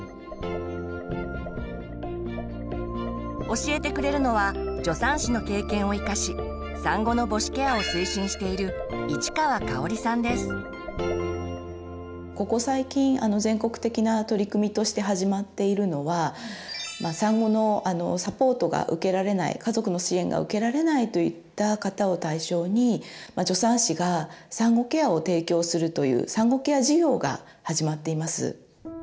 教えてくれるのは助産師の経験を生かし産後の母子ケアを推進しているここ最近全国的な取り組みとして始まっているのは産後のサポートが受けられない家族の支援が受けられないといった方を対象に助産師が産後ケアを提供するという産後ケア事業が始まっています。